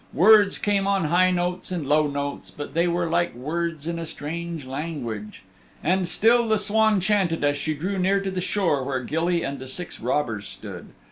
Words came on high notes and low notes, but they were like words in a strange language. And still the swan chanted as she drew near to the shore where Gilly and the six robbers stood.